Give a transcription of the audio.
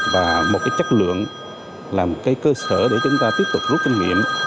và một cái chất lượng là một cái cơ sở để chúng ta tiếp tục rút kinh nghiệm